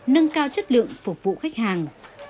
nâng cao chất lượng phục vụ khách hàng